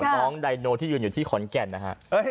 น้องไดโนที่ยืนอยู่ที่ขอนแก่นนะฮะ